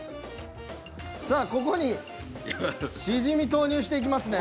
さあここにシジミ投入していきますね。